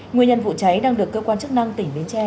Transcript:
nguyên nhân vụ cháy đang được cơ quan chức năng tỉnh bến tre